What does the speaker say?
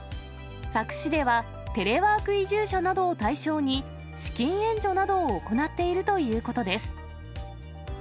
佐久市ではテレワーク移住者などを対象に、資金援助などを行っているということです。